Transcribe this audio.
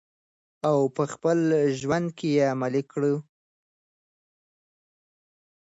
او په خپل ژوند کې یې عملي کړو.